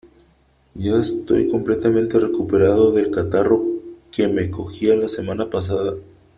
Ya estoy completamente recuperado del catarro que me cogí la semana pasada.